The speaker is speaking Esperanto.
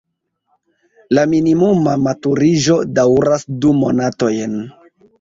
La minimuma maturiĝo daŭras du monatojn.